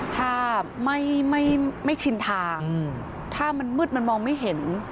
ถ้าไม่ชินทางถ้ามันมืดมันมองไม่เห็น